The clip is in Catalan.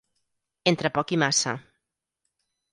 Entre poc i massa.